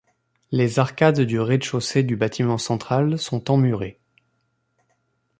Les arcades du rez-de-chaussée du bâtiment central sont emmurées.